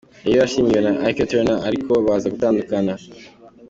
Yari yarashyingiwe na Ike Turner ariko baza gutandukana.